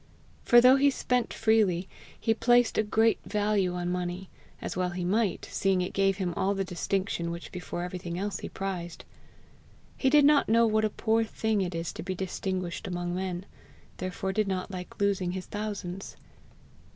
For though he spent freely, he placed a great value on money as well he might, seeing it gave him all the distinction which before everything else he prized. He did not know what a poor thing it is to be distinguished among men, therefore did not like losing his thousands.